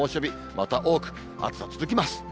また多く、暑さ続きます。